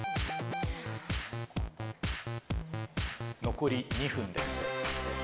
残り２分です。